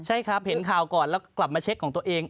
ใช่ครับเห็นข่าวก่อนแล้วกลับมาเช็คของตัวเอง